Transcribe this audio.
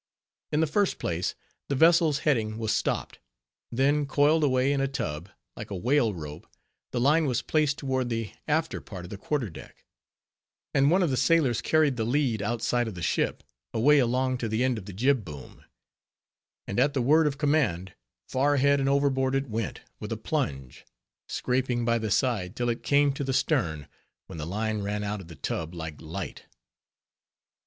In the first place, the vessel's heading was stopt; then, coiled away in a tub, like a whale rope, the line was placed toward the after part of the quarter deck; and one of the sailors carried the lead outside of the ship, away along to the end of the jib boom, and at the word of command, far ahead and overboard it went, with a plunge; scraping by the side, till it came to the stern, when the line ran out of the tub like light.